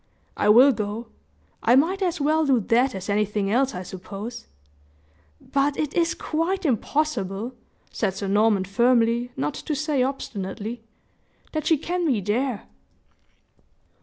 "I will go. I might as well do that as anything else, I suppose; but it is quite impossible," said Sir Norman, firmly, not to say obstinately, "that she can be there."